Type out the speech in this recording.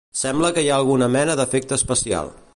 Sembla que hi ha alguna mena d'efecte especial.